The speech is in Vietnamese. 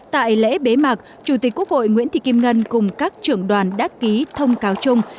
tại lễ bế mạc chủ tịch quốc hội nguyễn thị kim ngân cùng các trưởng đoàn đắc ký thông cáo chung